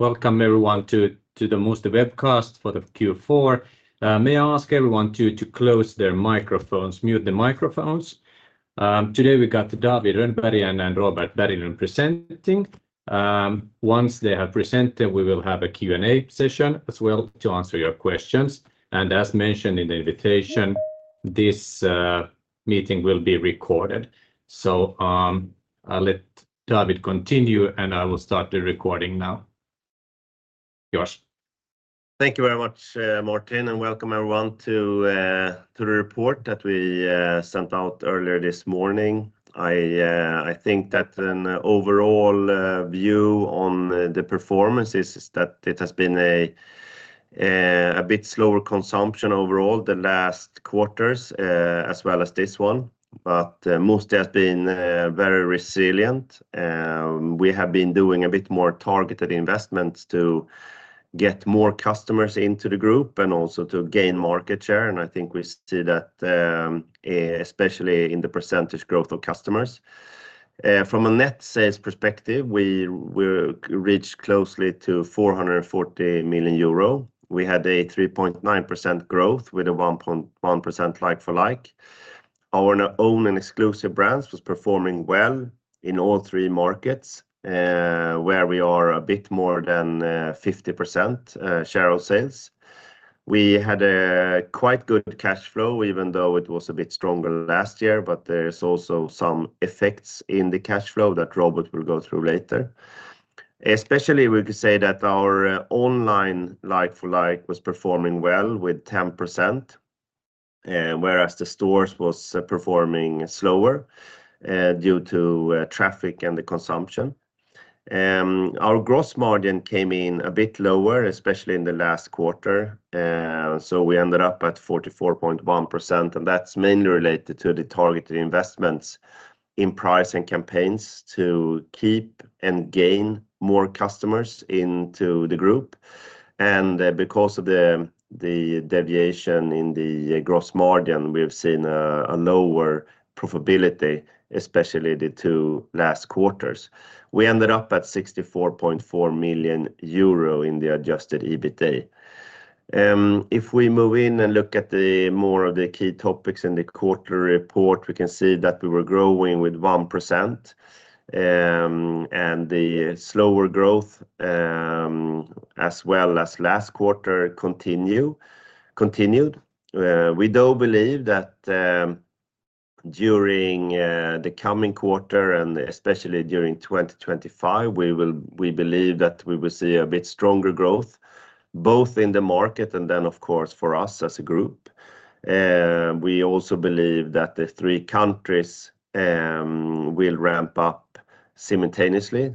Welcome everyone to the Musti Group webcast for Q4. May I ask everyone to close their microphones, mute the microphones? Today we've got David Rönnberg and Robert Berglund presenting. Once they have presented, we will have a Q&A session as well to answer your questions. And as mentioned in the invitation, this meeting will be recorded. So I'll let David continue, and I will start the recording now. Thank you very much, Martin, and welcome everyone to the report that we sent out earlier this morning. I think that an overall view on the performance is that it has been a bit slower consumption overall the last quarters, as well as this one, but Musti has been very resilient. We have been doing a bit more targeted investments to get more customers into the group and also to gain market share, and I think we see that, especially in the percentage growth of customers. From a net sales perspective, we reached closely to 440 million euro. We had a 3.9% growth with a 1.1% like-for-like. Our own and exclusive brands were performing well in all three markets, where we are a bit more than 50% share of sales. We had a quite good cash flow, even though it was a bit stronger last year. There are also some effects in the cash flow that Robert will go through later. Especially, we could say that our online like-for-like was performing well with 10%, whereas the stores were performing slower due to traffic and the consumption. Our gross margin came in a bit lower, especially in the last quarter. So we ended up at 64.4 million in the adjusted EBITDA. If we move in and look at more of the key topics in the quarterly report, we can see that we were growing with 1%, and the slower growth, as well as last quarter, continued. We do believe that during the coming quarter, and especially during 2025, we believe that we will see a bit stronger growth, both in the market and then, of course, for us as a group. We also believe that the three countries will ramp up simultaneously.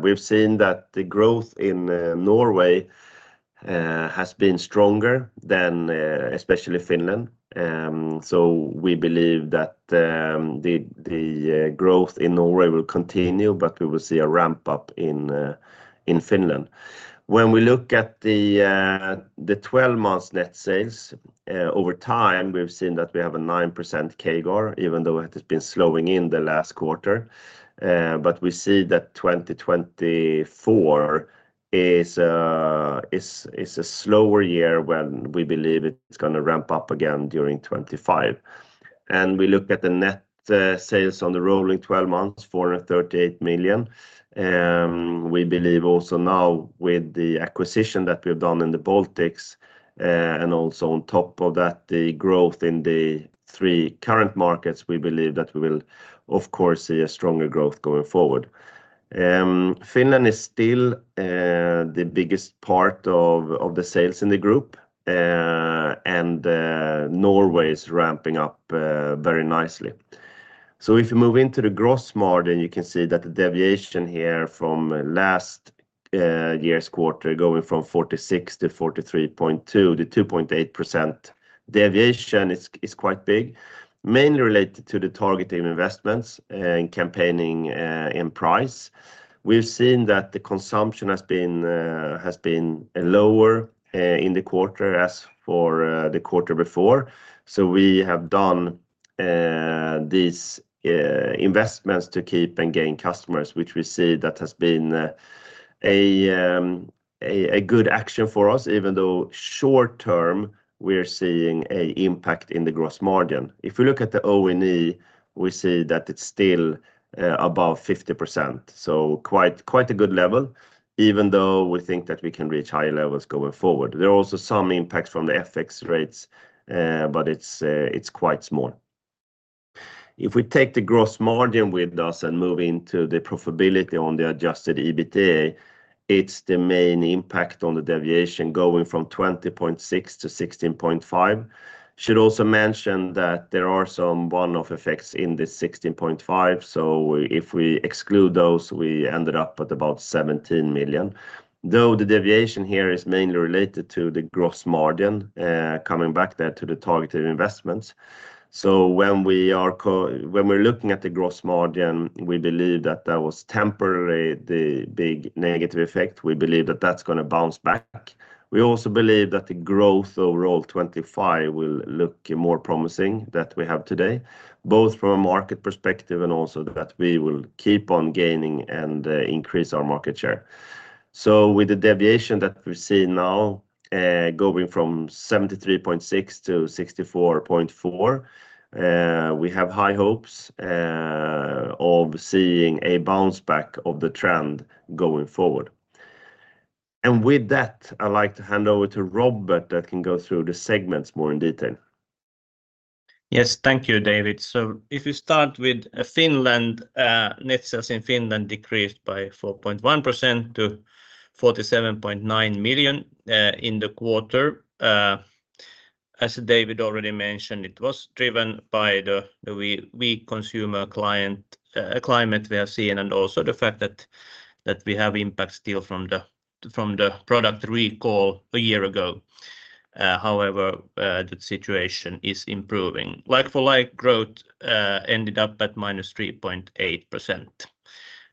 We've seen that the growth in Norway has been stronger than, especially, Finland, so we believe that the growth in Norway will continue, but we will see a ramp up in Finland. When we look at the 12-month net sales over time, we've seen that we have a 9% CAGR, even though it has been slowing in the last quarter, but we see that 2024 is a slower year when we believe it's going to ramp up again during 2025, and we look at the net sales on the rolling 12 months, 438 million. We believe also now, with the acquisition that we've done in the Baltics, and also on top of that, the growth in the three current markets, we believe that we will, of course, see a stronger growth going forward. Finland is still the biggest part of the sales in the group, and Norway is ramping up very nicely, so if you move into the gross margin, you can see that the deviation here from last year's quarter, going from 46 to 43.2, the 2.8% deviation is quite big, mainly related to the targeting investments and campaigning in price. We've seen that the consumption has been lower in the quarter as for the quarter before, so we have done these investments to keep and gain customers, which we see that has been a good action for us, even though short-term we're seeing an impact in the gross margin. If we look at the O&E, we see that it's still above 50%, so quite a good level, even though we think that we can reach higher levels going forward. There are also some impacts from the FX rates, but it's quite small. If we take the gross margin with us and move into the profitability on the adjusted EBITDA, it's the main impact on the deviation going from 20.6 to 16.5. Should also mention that there are some one-off effects in the 16.5, so if we exclude those, we ended up at about 17 million. Though the deviation here is mainly related to the gross margin coming back there to the targeted investments. So when we are looking at the gross margin, we believe that that was temporarily the big negative effect. We believe that that's going to bounce back. We also believe that the growth overall 2025 will look more promising than we have today, both from a market perspective and also that we will keep on gaining and increase our market share. So with the deviation that we see now going from 73.6 to 64.4, we have high hopes of seeing a bounce back of the trend going forward. And with that, I'd like to hand over to Robert that can go through the segments more in detail. Yes, thank you, David. So if you start with Finland, net sales in Finland decreased by 4.1% to 47.9 million in the quarter. As David already mentioned, it was driven by the weak consumer climate we have seen and also the fact that we have impacts still from the product recall a year ago. However, the situation is improving. Like-for-like growth ended up at minus 3.8%.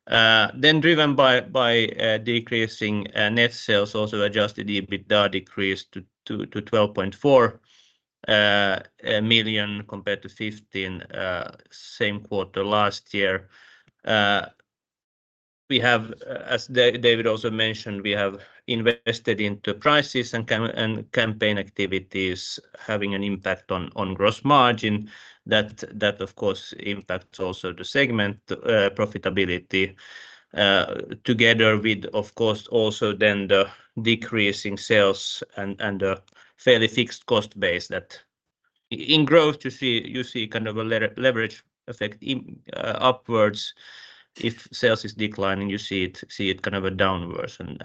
Then driven by decreasing net sales, also adjusted EBITDA decreased to 12.4 million compared to 15 million in the same quarter last year. We have, as David also mentioned, we have invested into prices and campaign activities having an impact on gross margin that, of course, impacts also the segment profitability together with, of course, also then the decreasing sales and the fairly fixed cost base that in growth you see kind of a leverage effect upwards. If sales is declining, you see it kind of downwards, and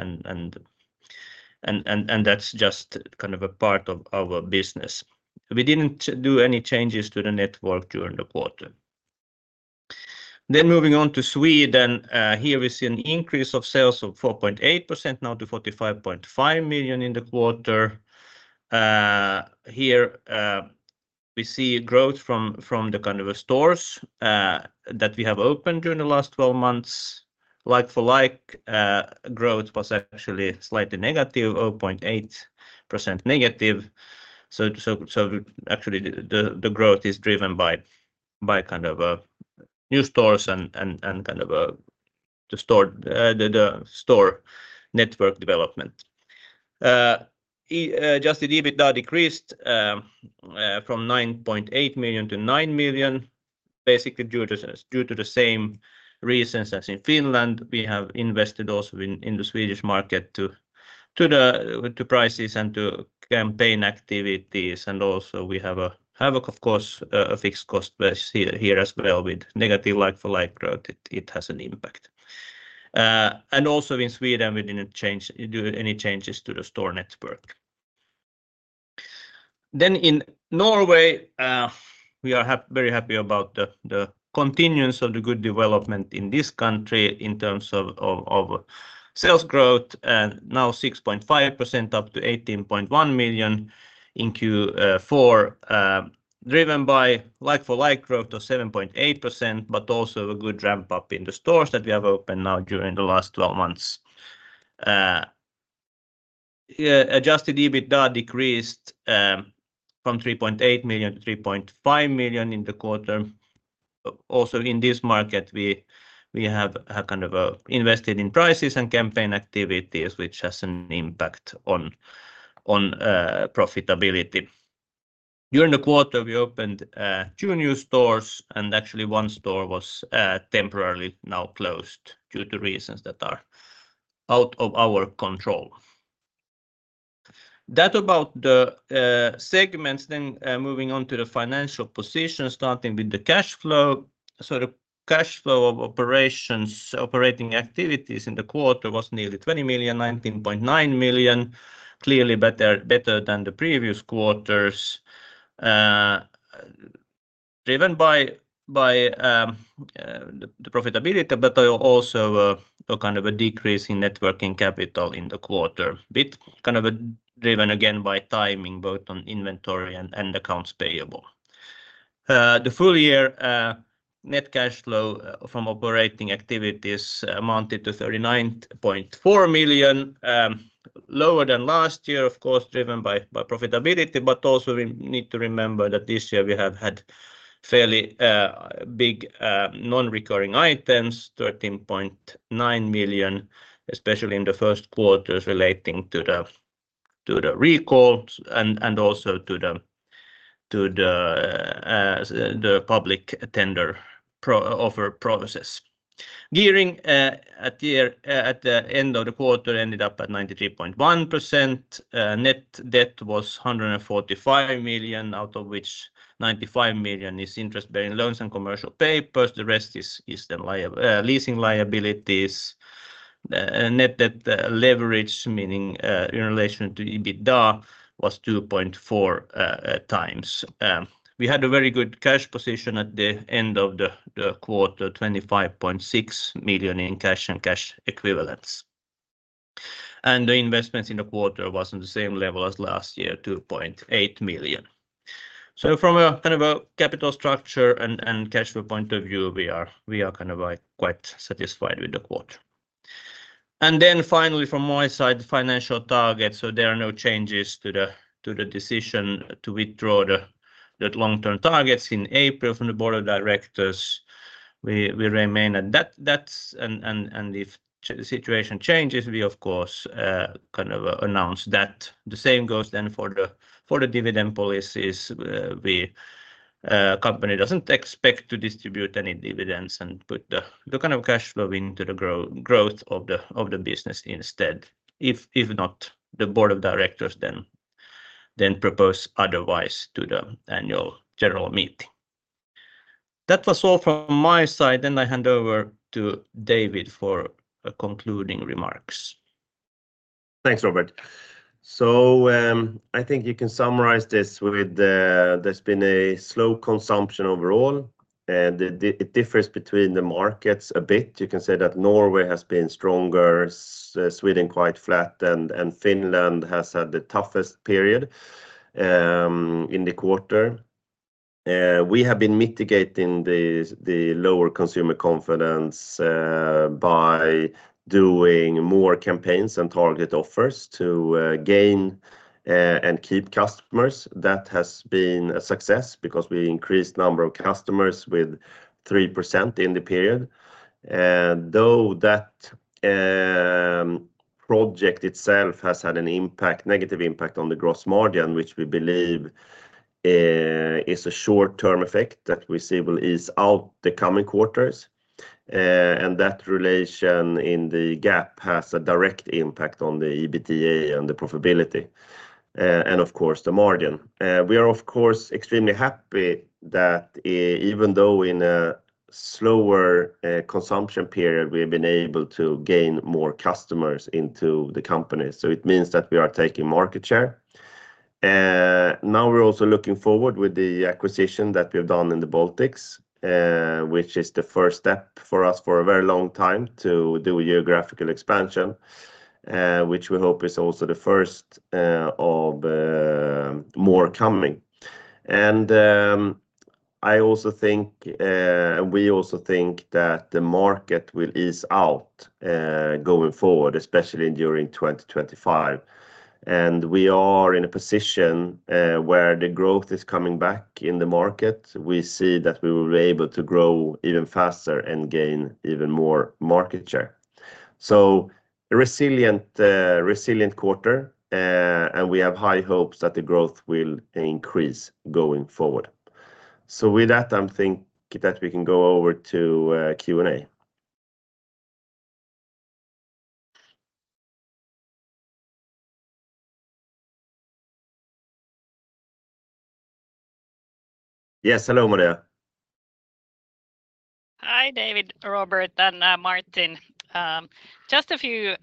that's just kind of a part of our business. We didn't do any changes to the network during the quarter. Then moving on to Sweden, here we see an increase of sales of 4.8% now to 45.5 million in the quarter. Here we see growth from the kind of stores that we have opened during the last 12 months. Like-for-like growth was actually slightly negative, 0.8% negative. So actually the growth is driven by kind of new stores and kind of the store network development. Adjusted EBITDA decreased from 9.8 million to 9 million, basically due to the same reasons as in Finland. We have invested also in the Swedish market to prices and to campaign activities. And also we have, of course, a fixed cost base here as well with negative like-for-like growth. It has an impact. Also in Sweden, we didn't do any changes to the store network. In Norway, we are very happy about the continuance of the good development in this country in terms of sales growth, now 6.5% up to 18.1 million in Q4, driven by like-for-like growth of 7.8%, but also a good ramp up in the stores that we have opened now during the last 12 months. Adjusted EBITDA decreased from 3.8 million to 3.5 million in the quarter. Also in this market, we have kind of invested in prices and campaign activities, which has an impact on profitability. During the quarter, we opened two new stores, and actually one store was temporarily now closed due to reasons that are out of our control. That's about the segments. Moving on to the financial position, starting with the cash flow. So the cash flow of operating activities in the quarter was nearly 20 million, 19.9 million, clearly better than the previous quarters, driven by the profitability, but also kind of a decrease in net working capital in the quarter, kind of driven again by timing, both on inventory and accounts payable. The full year net cash flow from operating activities amounted to 39.4 million, lower than last year, of course, driven by profitability. But also we need to remember that this year we have had fairly big non-recurring items, 13.9 million, especially in the first quarters relating to the recall and also to the public tender offer process. Gearing at the end of the quarter ended up at 93.1%. Net debt was 145 million, out of which 95 million is interest-bearing loans and commercial papers. The rest is the leasing liabilities. Net debt leverage, meaning in relation to EBITDA, was 2.4x. We had a very good cash position at the end of the quarter, 25.6 million in cash and cash equivalents. And the investments in the quarter was on the same level as last year, 2.8 million. So from a kind of a capital structure and cash flow point of view, we are kind of quite satisfied with the quarter. And then finally, from my side, the financial targets. So there are no changes to the decision to withdraw the long-term targets in April from the board of directors. We remain at that, and if the situation changes, we, of course, kind of announce that. The same goes then for the dividend policies. The company doesn't expect to distribute any dividends and put the kind of cash flow into the growth of the business instead. If not, the Board of Directors then propose otherwise to the Annual General Meeting. That was all from my side, then I hand over to David for concluding remarks. Thanks, Robert. So I think you can summarize this with there's been a slow consumption overall, and it differs between the markets a bit. You can say that Norway has been stronger, Sweden quite flat, and Finland has had the toughest period in the quarter. We have been mitigating the lower consumer confidence by doing more campaigns and target offers to gain and keep customers. That has been a success because we increased the number of customers with 3% in the period. Though that project itself has had an impact, negative impact on the gross margin, which we believe is a short-term effect that we see will ease out the coming quarters. And that relation in the gap has a direct impact on the EBITDA and the profitability, and of course the margin. We are, of course, extremely happy that even though in a slower consumption period, we have been able to gain more customers into the company, so it means that we are taking market share. Now we're also looking forward with the acquisition that we have done in the Baltics, which is the first step for us for a very long time to do geographical expansion, which we hope is also the first of more coming, and I also think, and we also think that the market will ease out going forward, especially during 2025, and we are in a position where the growth is coming back in the market. We see that we will be able to grow even faster and gain even more market share, so a resilient quarter, and we have high hopes that the growth will increase going forward. So with that, I'm thinking that we can go over to Q&A. Yes, hello, Maria? Hi, David, Robert, and Martin. Just a few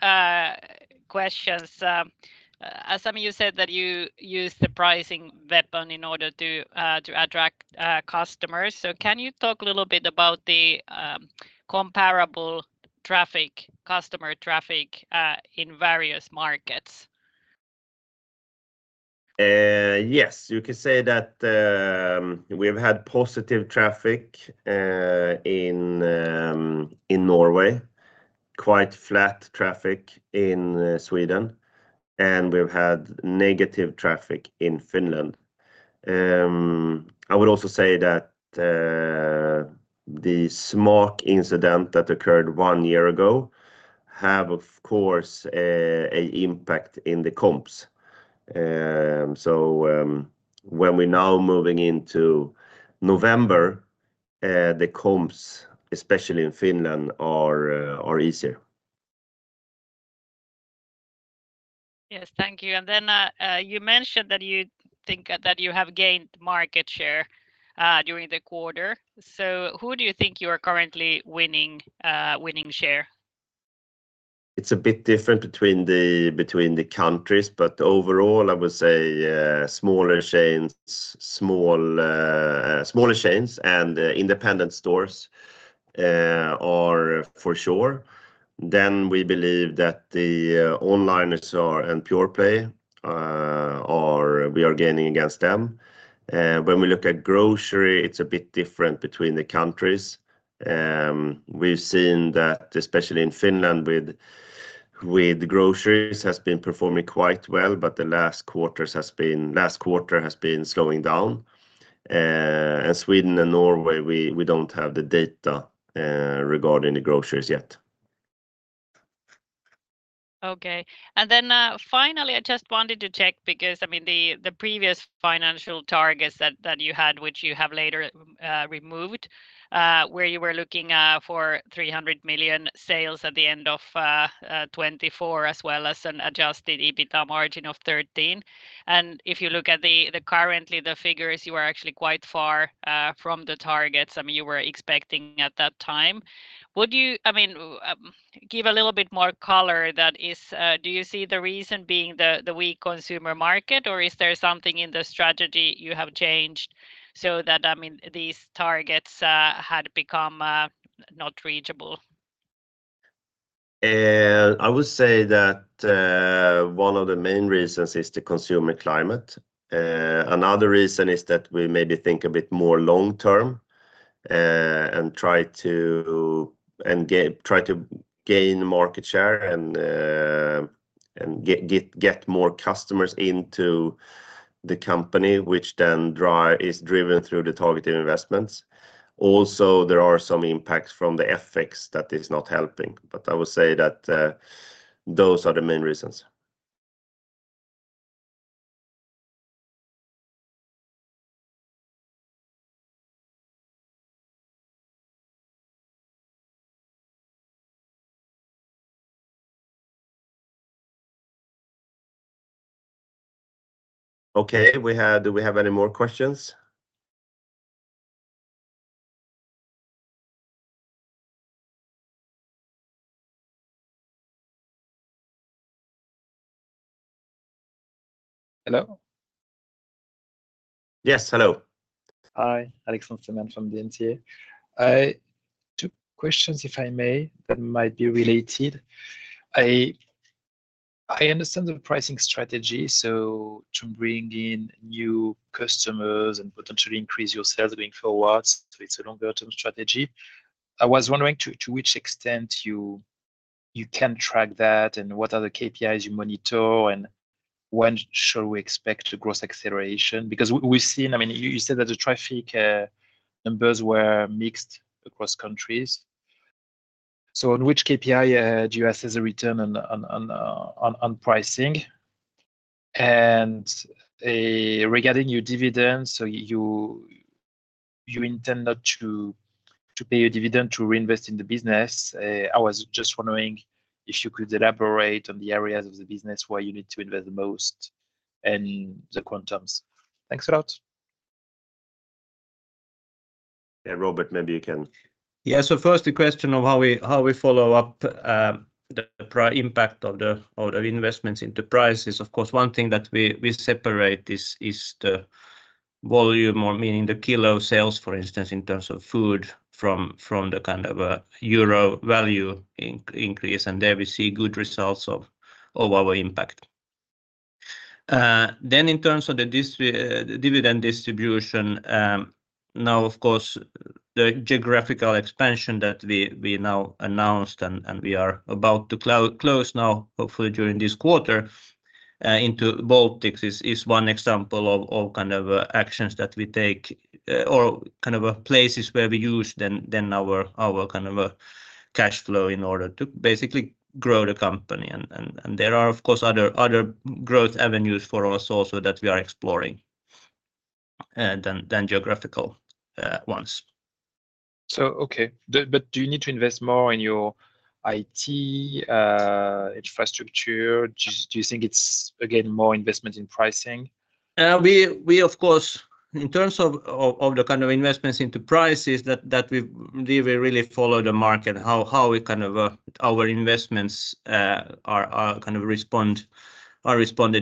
questions. As Samu said that you use the pricing weapon in order to attract customers, so can you talk a little bit about the comparable traffic, customer traffic in various markets? Yes, you could say that we have had positive traffic in Norway, quite flat traffic in Sweden, and we have had negative traffic in Finland. I would also say that the Smaak incident that occurred one year ago have, of course, an impact in the comps. So when we're now moving into November, the comps, especially in Finland, are easier. Yes, thank you. And then you mentioned that you think that you have gained market share during the quarter. So who do you think you are currently winning share? It's a bit different between the countries, but overall, I would say smaller chains and independent stores are for sure. Then we believe that the online store and pure-play, we are gaining against them. When we look at grocery, it's a bit different between the countries. We've seen that, especially in Finland, with groceries has been performing quite well, but the last quarter has been slowing down. And Sweden and Norway, we don't have the data regarding the groceries yet. Okay. And then finally, I just wanted to check because, I mean, the previous financial targets that you had, which you have later removed, where you were looking for 300 million sales at the end of 2024, as well as an adjusted EBITDA margin of 13%. And if you look at the current figures, you are actually quite far from the targets you were expecting at that time. Would you, I mean, give a little bit more color that is, do you see the reason being the weak consumer market, or is there something in the strategy you have changed so that, I mean, these targets had become not reachable? I would say that one of the main reasons is the consumer climate. Another reason is that we maybe think a bit more long-term and try to gain market share and get more customers into the company, which then is driven through the targeted investments. Also, there are some impacts from the effects that is not helping, but I would say that those are the main reasons. Okay, do we have any more questions? Hello? Yes, hello. Hi, Alexander from Nordea. Two questions, if I may, that might be related. I understand the pricing strategy, so to bring in new customers and potentially increase your sales going forward, so it's a longer-term strategy. I was wondering to which extent you can track that and what are the KPIs you monitor and when shall we expect the gross acceleration? Because we've seen, I mean, you said that the traffic numbers were mixed across countries. So on which KPI do you assess the return on pricing? And regarding your dividends, so you intend not to pay a dividend to reinvest in the business. I was just wondering if you could elaborate on the areas of the business where you need to invest the most and the quantums. Thanks a lot. Yeah, Robert, maybe you can? Yeah, so first the question of how we follow-up the impact of the investments into price is, of course, one thing that we separate is the volume, or meaning the kilo sales, for instance, in terms of food from the kind of euro value increase, and there we see good results of our impact. Then in terms of the dividend distribution, now, of course, the geographical expansion that we now announced and we are about to close now, hopefully during this quarter, into Baltics is one example of kind of actions that we take or kind of places where we use then our kind of cash flow in order to basically grow the company. And there are, of course, other growth avenues for us also that we are exploring than geographical ones. So, okay, but do you need to invest more in your IT infrastructure? Do you think it's, again, more investment in pricing? We, of course, in terms of the kind of investments into prices, that we really follow the market, how we kind of our investments are kind of responded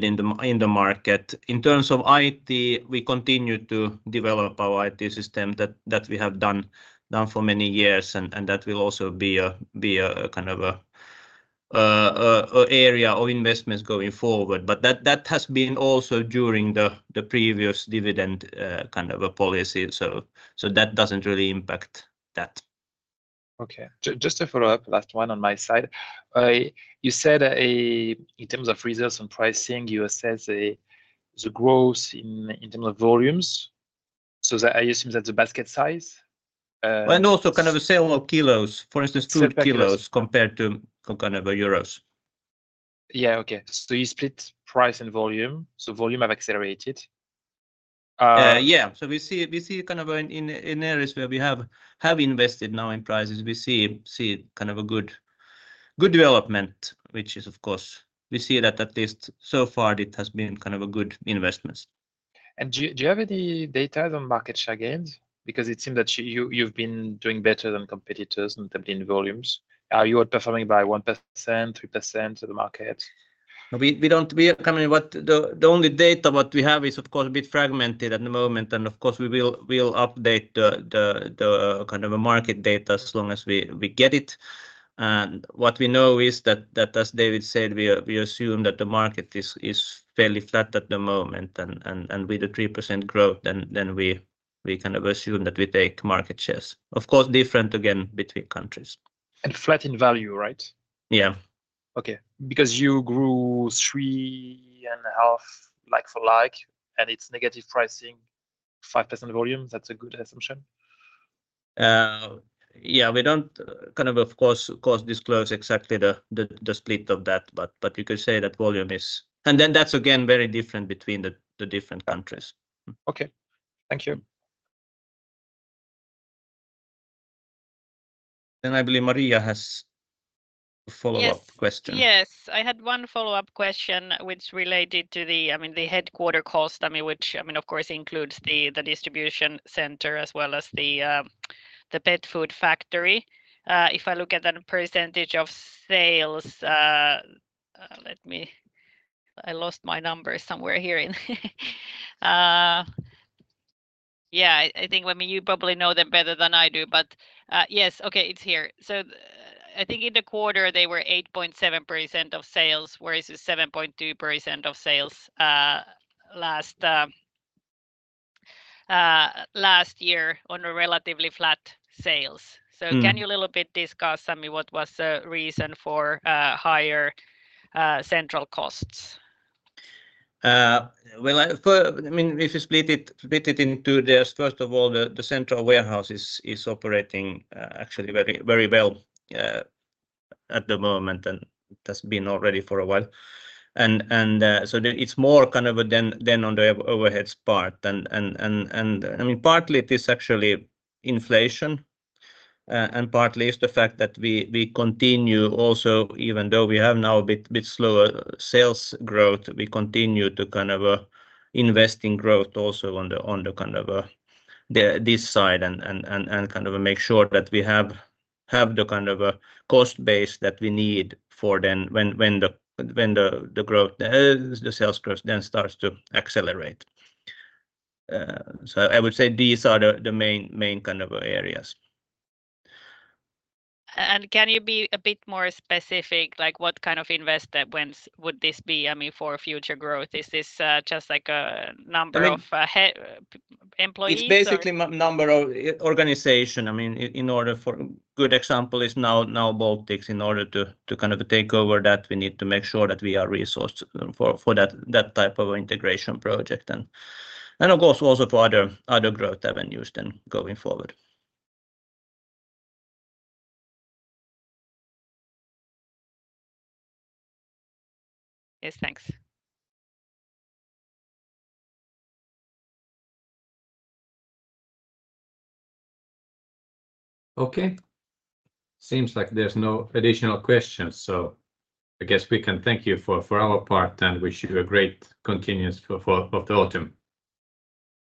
in the market. In terms of IT, we continue to develop our IT system that we have done for many years, and that will also be a kind of area of investments going forward, but that has been also during the previous dividend kind of policy, so that doesn't really impact that. Okay. Just to follow-up, last one on my side. You said in terms of results and pricing, you assess the growth in terms of volumes. So I assume that's the basket size? And also kind of the sale of kilos, for instance, food kilos compared to kind of euros. Yeah, okay. So you split price and volume? So volume have accelerated? Yeah. So we see kind of in areas where we have invested now in prices, we see kind of a good development, which is, of course, we see that at least so far it has been kind of a good investment. Do you have any data on market share gains? Because it seems that you've been doing better than competitors in terms of volumes. Are you outperforming by 1%, 3% of the market? We are coming with the only data, what we have, is, of course, a bit fragmented at the moment, and of course, we will update the kind of market data as long as we get it, and what we know is that, as David said, we assume that the market is fairly flat at the moment, and with the 3% growth, then we kind of assume that we take market shares. Of course, different again between countries. And flat in value, right? Yeah. Okay. Because you grew three and a half like for like, and it's negative pricing, 5% volume. That's a good assumption. Yeah, we don't kind of, of course, disclose exactly the split of that, but you could say that volume is. And then that's again very different between the different countries. Okay. Thank you. Then I believe Maria has a follow-up question. Yes, I had one follow-up question, which related to the, I mean, the headquarters cost, I mean, which, I mean, of course, includes the distribution center as well as the pet food factory. If I look at the percentage of sales, let me, I lost my numbers somewhere here. Yeah, I think, I mean, you probably know them better than I do, but yes, okay, it's here. So I think in the quarter, they were 8.7% of sales, versus 7.2% of sales last year on a relatively flat sales. So can you a little bit discuss, I mean, what was the reason for higher central costs? I mean, if you split it into three, first of all, the central warehouse is operating actually very well at the moment and has been already for a while. So it's more kind of than on the overhead part. I mean, partly it is actually inflation and partly it's the fact that we continue also, even though we have now a bit slower sales growth, we continue to kind of invest in growth also on the kind of this side and kind of make sure that we have the kind of cost base that we need for then when the growth, the sales growth then starts to accelerate. I would say these are the main kind of areas. And can you be a bit more specific, like what kind of investment would this be, I mean, for future growth? Is this just like a number of employees? It's basically a number of organizations. I mean, a good example is now the Baltics. In order to kind of take over that, we need to make sure that we are resourced for that type of integration project and, of course, also for other growth avenues then going forward. Yes, thanks. Okay. Seems like there's no additional questions. So I guess we can thank you for our part and wish you a great continuation of the autumn.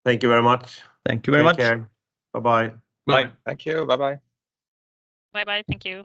Thank you very much. Thank you very much. Take care. Bye-bye. Bye. Thank you. Bye-bye. Bye-bye. Thank you.